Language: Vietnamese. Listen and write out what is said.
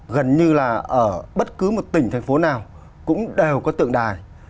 gần như là ở bất cứ một tỉnh thành phố nào cũng đều có tượng đài